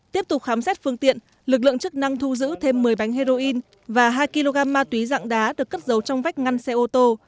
tiếp tục khám xét phương tiện lực lượng chức năng thu giữ thêm một mươi bánh heroin và hai kg ma túy dạng đá được cất giấu trong vách ngăn xe ô tô